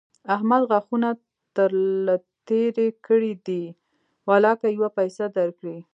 احمد غاښونه تر له تېر کړي دي؛ ولاکه يوه پيسه در کړي.